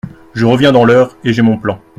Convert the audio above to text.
Je reviens dans l’heure et j’ai mon plan…